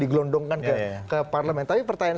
digelondongkan ke parlemen tapi pertanyaan